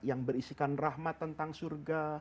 yang berisikan rahmat tentang surga